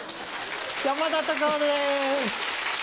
山田隆夫です。